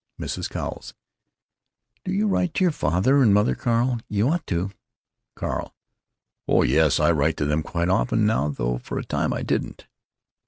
Mrs. Cowles: "Do you write to your father and mother, Carl? You ought to." Carl: "Oh yes, I write to them quite often, now, though for a time I didn't."